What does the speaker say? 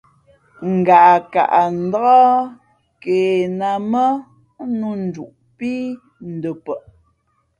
Ngaʼkaʼ ndāk ke nā mά nū nduʼ pí ndαpαʼ.